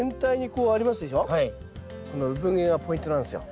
このうぶ毛がポイントなんですよ。